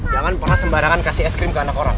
jangan pernah sembarangan kasih es krim ke anak orang